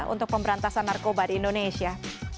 untuk pemberantasan narkoba di indonesia